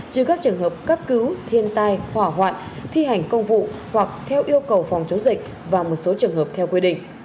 trừ các trường hợp cấp cứu thiên tai hỏa hoạn thi hành công vụ hoặc theo yêu cầu phòng chống dịch và một số trường hợp theo quy định